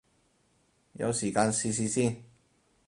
有時間試試先